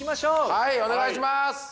はいお願いします。